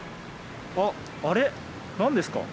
あっあれ何ですか？